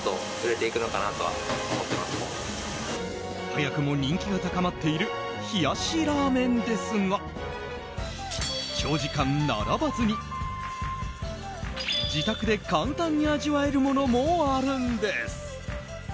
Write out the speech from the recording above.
早くも人気が高まっている冷やしラーメンですが長時間並ばずに、自宅で簡単に味わえるものもあるんです。